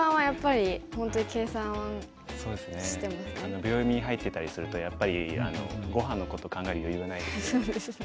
秒読みに入っていたりするとやっぱりごはんのこと考える余裕はないですよね。